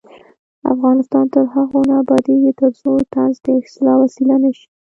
افغانستان تر هغو نه ابادیږي، ترڅو طنز د اصلاح وسیله نشي.